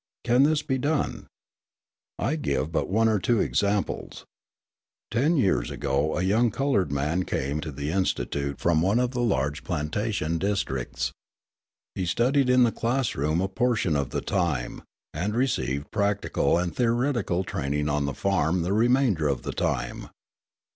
Can this be done? I give but one or two examples. Ten years ago a young coloured man came to the institute from one of the large plantation districts. He studied in the class room a portion of the time, and received practical and theoretical training on the farm the remainder of the time.